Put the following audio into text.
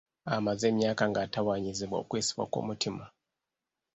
Amaze emyaka nga atawaanyizibwa okwesiba kw'omutima.